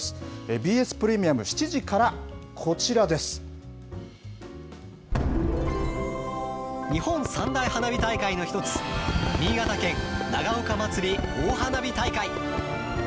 ＢＳプレミアム、７時からこちら日本三大花火大会の一つ、新潟県長岡まつり大花火大会。